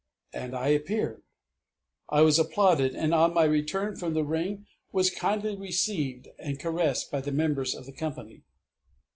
And I appeared. I was applauded, and on my return from the Ring was kindly received and caressed by the members of the company.